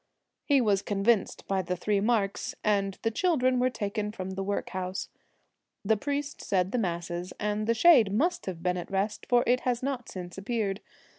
He was convinced by the three marks, and the children were taken from the workhouse. The priest said the masses, and the shade must have been at rest, for it has not since appeared.